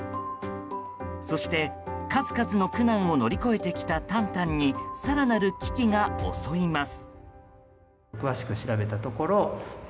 そして、数々の苦難を乗り越えてきたタンタンに更なる危機が襲います。